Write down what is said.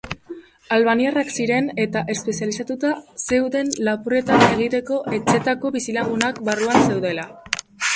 Albaniarrak ziren eta espezializatuta zeuden lapurretak egiteko etxeetako bizilagunak barruan zeudela.